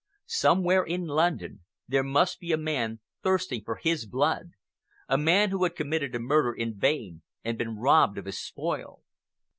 Somewhere in London there must be a man thirsting for his blood, a man who had committed a murder in vain and been robbed of his spoil.